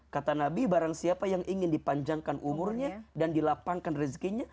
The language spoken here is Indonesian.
kata nabi barang siapa yang ingin dipanjangkan umurnya dan dilapangkan rezekinya